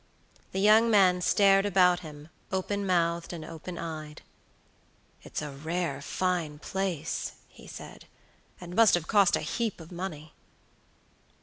The young man stared about him, open mouthed and open eyed. "It's a rare fine place," he said, "and must have cost a heap of money."